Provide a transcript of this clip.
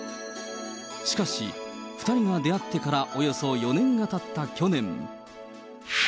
しかし、２人が出会ってから、およそ４年がたった去年。